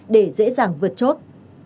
để dễ dàng vượt chốt